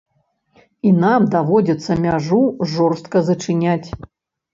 І нам даводзіцца мяжу жорстка зачыняць.